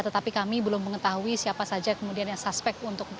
tetapi kami belum mengetahui siapa saja kemudian yang suspek untuk